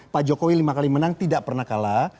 pak jokowi lima kali menang tidak pernah kalah